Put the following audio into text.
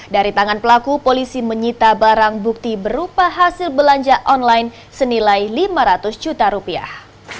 dari tangan pelaku polisi menyita barang bukti berupa hasil belanja online senilai lima ratus juta rupiah